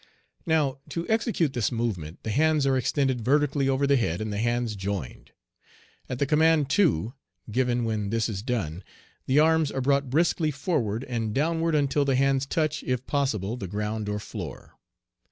Now to execute this movement the hands are extended vertically over the head and the hands joined. At the command "Two!" given when this is done, the arms are brought briskly forward and downward until the hands touch if possible the ground or floor.